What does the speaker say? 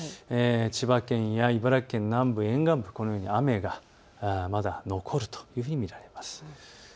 千葉県や茨城県南部、沿岸部、このように雨がまだ残るというふうに見られます。